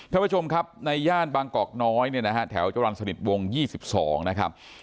ท่านผู้ชมครับในย่านบางกอกน้อยเนี่ยนะฮะแถวจรรย์สนิทวง๒๒นะครับ